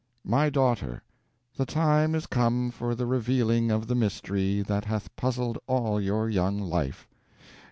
"My daughter, the time is come for the revealing of the mystery that hath puzzled all your young life.